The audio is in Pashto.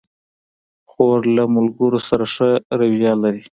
خور له ملګرو سره ښه رویه لري.